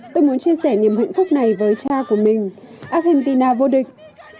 tôi muốn chia sẻ niềm hạnh phúc này với cha của mình argentina vô địch